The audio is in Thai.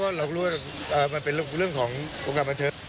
เราก็รู้ว่ามันเป็นเรื่องของวงการบันเทิง